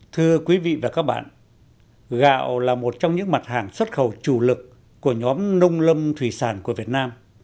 thưa quý vị và các bạn gạo là một trong những mặt hàng xuất khẩu chủ lực của nhóm nông lâm thủy sản của việt nam